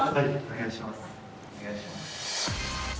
お願いします。